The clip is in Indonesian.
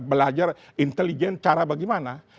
belajar intelijen cara bagaimana